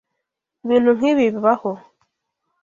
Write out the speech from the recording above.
Ibintu nkibi bibaho.